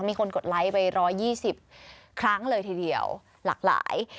มีคนกดไลค์ไป๑๒๐ครั้งเลยทีเดียวหลากหลาย